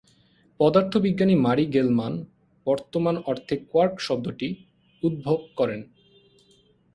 পদার্থবিজ্ঞানী Murray Gell-Mann, বর্তমান অর্থে "quark" শব্দটি উদ্ভব করেন।